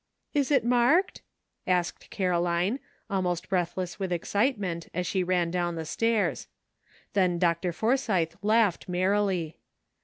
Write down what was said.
"Is it marked?" asked Caroline, almost breathless with excitement, as she ran down the stairs. Then Dr. Forsythe laughed merrily.